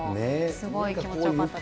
すごい気持ちよかったです。